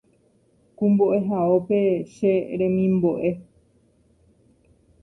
Ku mbo’ehaópe Che remimbo’e